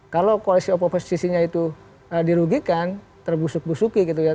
kalau koalisi oposisinya itu dirugikan terbusuk busuki gitu ya